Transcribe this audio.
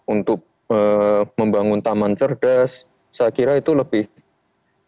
untuk membangun taman cerdas saya kira itu lebih baik